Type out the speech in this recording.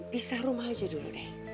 pisah rumah aja dulu deh